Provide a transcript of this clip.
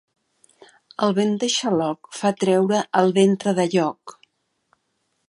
El vent de xaloc fa treure el ventre de lloc.